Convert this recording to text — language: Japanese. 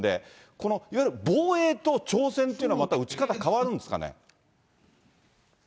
このいわゆる防衛と挑戦というのは、また打ち方、変わるんですかね。